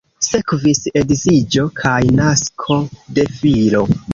Sekvis edziĝo kaj nasko de filo.